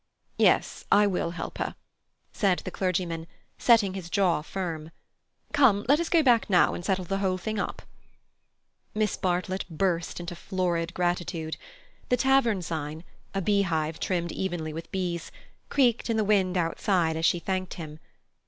"Yes, I will help her," said the clergyman, setting his jaw firm. "Come, let us go back now, and settle the whole thing up." Miss Bartlett burst into florid gratitude. The tavern sign—a beehive trimmed evenly with bees—creaked in the wind outside as she thanked him.